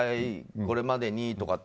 これまでにとかって。